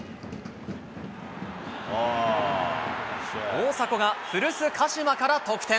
大迫が古巣、鹿島から得点。